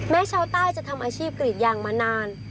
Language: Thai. ชาวใต้จะทำอาชีพกรีดยางมานาน